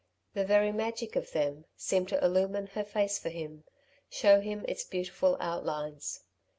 The very magic of them seemed to illumine her face for him, show him its beautiful outlines.